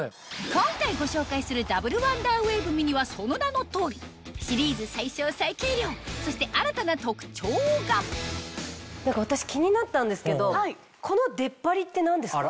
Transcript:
今回ご紹介するダブルワンダーウェーブミニはその名の通りそして新たな特徴が私気になったんですけどこの出っ張りって何ですか？